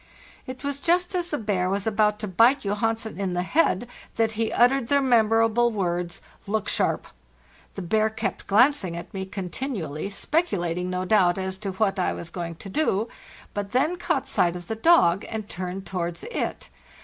It was just as the bear was about to bite Johansen in the head that he uttered the memorable words, " Look sharp!" The bear kept glancing at me con tinually, speculating, no doubt, as to what I was going to do; but then caught sight of the dog and turned towards it.